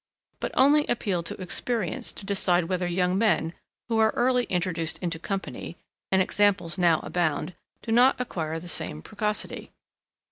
but only appeal to experience to decide whether young men, who are early introduced into company (and examples now abound) do not acquire the same precocity.